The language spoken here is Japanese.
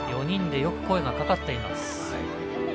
４人でよく声が掛かっています。